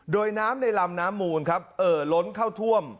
โดยน้ำในลำน้ำมูลครับเอ่อล้นเข้าท่วม